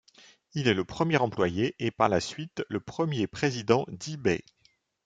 Il est le premier employé et, par la suite, le premier président d'eBay.